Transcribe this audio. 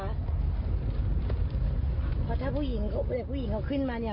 เพราะถ้าผู้หญิงเขาขึ้นมาเนี่ย